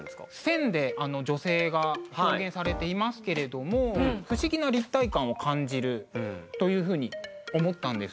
線で女性が表現されていますけれども不思議な立体感を感じるというふうに思ったんです。